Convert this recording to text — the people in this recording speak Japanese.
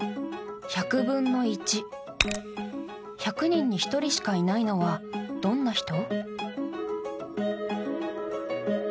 １００人に１人しかいないのはどんな人？